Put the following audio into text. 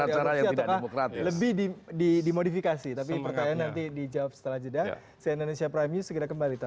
tidak mungkin diberlakukan cara cara yang tidak demokratis